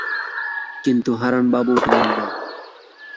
কিন্তু হারানবাবু উঠিলেন না।